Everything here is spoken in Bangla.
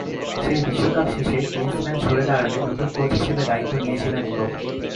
সেই বিশ্বকাপ শেষে ক্লিন্সম্যান সরে দাঁড়ালে নতুন কোচ হিসেবে দায়িত্ব নিয়েছিলেন লো।